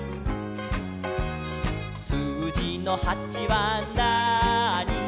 「すうじの８はなーに」